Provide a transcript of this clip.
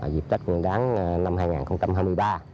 dịp tết nguyên đáng năm hai nghìn hai mươi ba